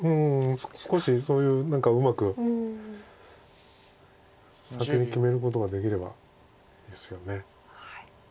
少しそういう何かうまく先に決めることができればですよね。